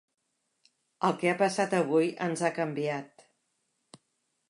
El que ha passat avui ens ha canviat.